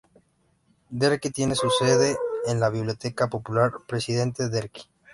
Derqui", tiene su sede en la Biblioteca Popular Presidente Derqui.